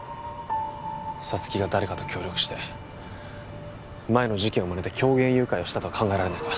沙月が誰かと協力して前の事件をまねて狂言誘拐をしたとは考えられないか？